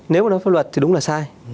nếu mà nói pháp luật thì đúng là sai